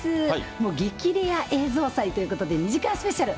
もう激レア映像祭ということで、２時間スペシャル。